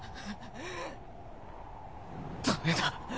ダメだ